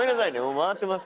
回ってますけど。